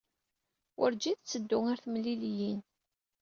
Werǧin tetteddu ɣer temliliyin.